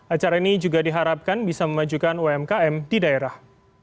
acara ini juga diharapkan bisa memajukan umkm di daerah